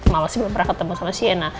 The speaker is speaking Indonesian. malah sih belum pernah ketemu sama siena